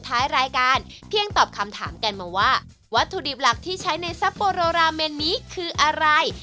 ท้ายรายการเพียงตอบคำถามกันมาว่าวัตถุดิบหลักที่ใช้ในซัปโปโรราเมนนี้คืออะไร